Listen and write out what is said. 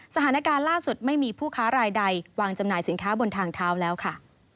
สถานการณ์ล่าสุดไม่มีผู้ค้ารายใดวางจำหน่ายสินค้าบนทางเท้าแล้วค่ะ